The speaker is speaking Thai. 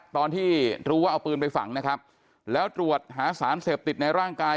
ตอนที่รู้ว่าเอาปืนไปฝังนะครับแล้วตรวจหาสารเสพติดในร่างกาย